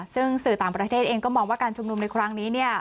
ซึ่งสื่อต่างประเทศเองก็มองว่าการชุมนุมในครั้งนี้เนี่ย